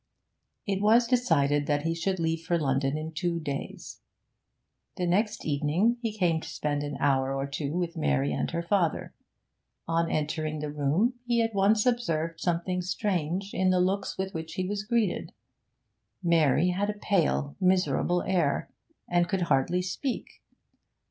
It was decided that he should leave for London in two days. The next evening he came to spend an hour or two with Mary and her father. On entering the room he at once observed something strange in the looks with which he was greeted. Mary had a pale, miserable air, and could hardly speak.